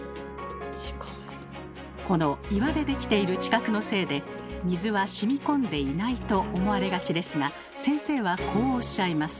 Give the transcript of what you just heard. この岩で出来ている地殻のせいで水はしみこんでいないと思われがちですが先生はこうおっしゃいます。